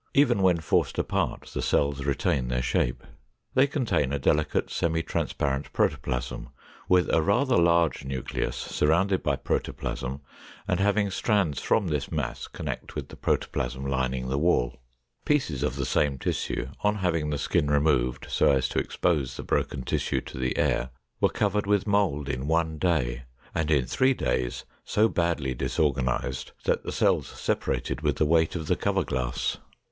Even when forced apart, the cells retain their shape. They contain a delicate semi transparent protoplasm with a rather large nucleus surrounded by protoplasm and having strands from this mass connect with the protoplasm lining the wall. Pieces of the same tissue, on having the skin removed so as to expose the broken tissue to the air, were covered with mold in one day and in three days so badly disorganized that the cells separated with the weight of the cover glass.